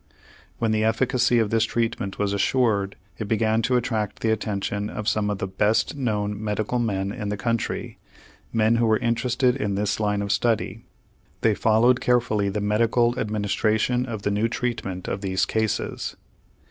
When the efficacy of this treatment was assured, it began to attract the attention of some of the best known medical men in the country men who were interested in this line of study. They followed carefully the medical administration of the new treatment of these cases.